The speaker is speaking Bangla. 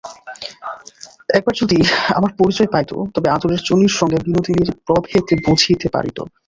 একবার যদি আমার পরিচয় পাইত, তবে আদরের চুনির সঙ্গে বিনোদিনীর প্রভেদ বুঝিতে পারিত।